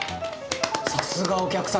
さすがお客様！